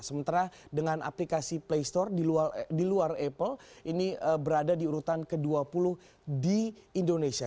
sementara dengan aplikasi play store di luar apple ini berada di urutan ke dua puluh di indonesia